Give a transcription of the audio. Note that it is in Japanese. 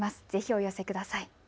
ぜひお寄せください。